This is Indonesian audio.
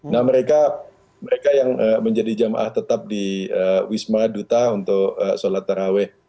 nah mereka yang menjadi jamaah tetap di wisma duta untuk sholat taraweh